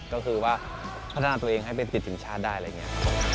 ก็คือว่าพัฒนาตัวเองให้ไปติดทีมชาติได้อะไรอย่างนี้